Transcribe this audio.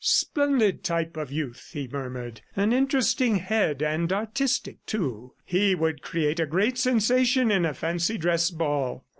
"Splendid type of youth," he murmured. "An interesting head, and artistic, too. He would create a great sensation in a fancy dress ball.